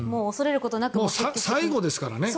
もう最後ですからね。